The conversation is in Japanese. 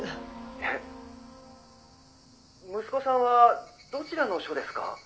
「えっ」「息子さんはどちらの署ですか？」